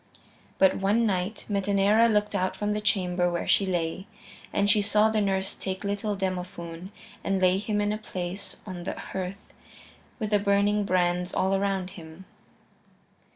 But one night Metaneira looked out from the chamber where she lay, and she saw the nurse take little Demophoön and lay him in a place on the hearth with the burning brands all around him.